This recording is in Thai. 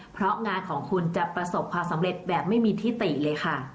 เพราะงานของคุณจะประสบความสำเร็จแบบไม่มีที่ติเลยค่ะ